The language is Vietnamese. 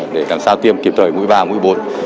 để làm sao tiêm kịp thời mũi ba mũi bộn